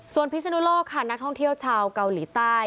ส่วนพิศนุโลกค่ะนักท่องเที่ยวชาวเกาหลีใต้